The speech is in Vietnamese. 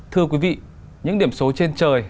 thưa quý vị những điểm số trên trời